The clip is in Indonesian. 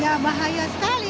ya bahaya sekali